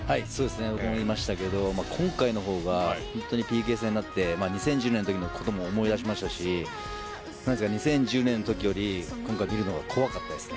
僕もいましたけど今回の方がＰＫ戦になって２０１０年のときのことも思い出しましたし２０１０年のときより見るのが怖かったですね。